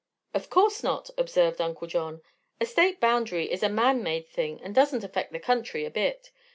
"Of course not," observed Uncle John. "A State boundary is a man made thing, and doesn't affect the country a bit.